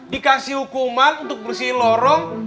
dikasih hukuman untuk bersih lorong